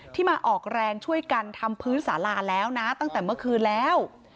มาออกแรงช่วยกันทำพื้นสาราแล้วนะตั้งแต่เมื่อคืนแล้ว